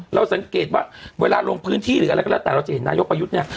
เราสังเกตว่าเวลาลงพื้นที่หรืออะไรก็แล้วแต่เราจะเห็นนายกประยุทธ์เนี่ย